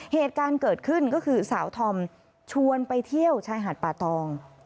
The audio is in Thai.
เหตุการณ์เกิดขึ้นก็คือสาวธอมชวนไปเที่ยวชายหาดป่าตอง